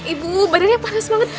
ibu badannya panas banget